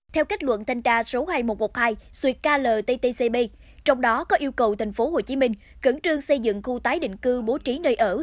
theo kết luận thanh tra số hai nghìn một trăm một mươi hai suyệt klttcb trong đó có yêu cầu tp hcm cẩn trương xây dựng khu tái định cư bố trí nơi ở